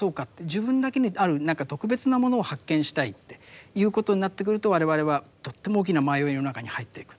自分だけにある何か特別なものを発見したいっていうことになってくると我々はとっても大きな迷いの中に入っていく。